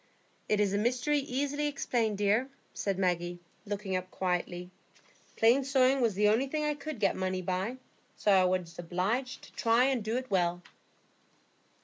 "It is a mystery easily explained, dear," said Maggie, looking up quietly. "Plain sewing was the only thing I could get money by, so I was obliged to try and do it well."